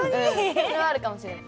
それはあるかもしれない。